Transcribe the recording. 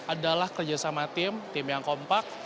adalah kerja sama tim tim yang kompak